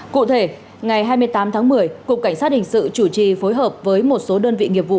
cụ thể ngày hai mươi tám tháng một mươi cục cảnh sát hình sự chủ trì phối hợp với một số đơn vị nghiệp vụ